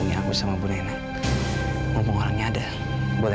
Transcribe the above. kalian buat pharmacy